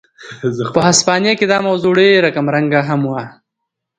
په هسپانیا کې دا موضوع ډېره کمرنګه هم وه.